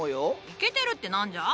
イケてるって何じゃ？